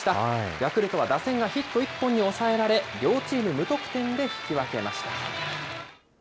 ヤクルトは打線がヒット１本に抑えられ、両チーム無得点で引き分けました。